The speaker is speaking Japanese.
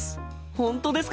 本当ですか？